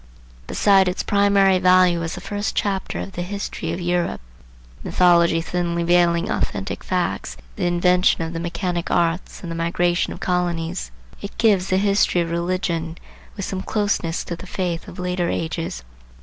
Beside its primary value as the first chapter of the history of Europe, (the mythology thinly veiling authentic facts, the invention of the mechanic arts and the migration of colonies,) it gives the history of religion, with some closeness to the faith of later ages.